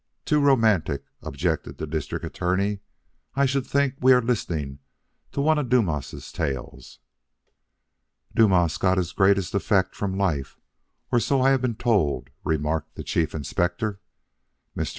too romantic!" objected the District Attorney. "I should think we were listening to one of Dumas' tales." "Dumas got his greatest effects from life, or so I have been told," remarked the Chief Inspector. Mr.